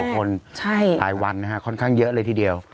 ๓๐๐๐๐คนไทยวันค่อนข้างเยอะเลยทีเดียว